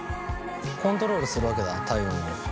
コントロールするわけだ体温を。